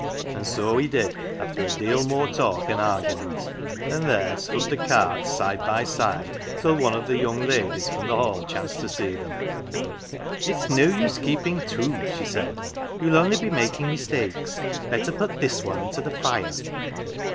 1 " And so he did after a deal more talk and argument, and there stood the cards side by side till one of the young ladies from the Hall chanced to see them. "'It's no use keeping two,' she said. 'You'll only be making mis takes. Better put this one into the fire.'